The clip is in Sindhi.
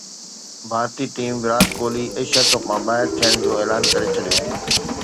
ڀارتي team Virat Kohli Asia cup مان ٻاهر ٿيڻ جو اعلان ڪري ڇڏيو